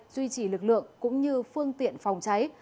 duy trì lực lượng cũng như phương tiện phòng cháy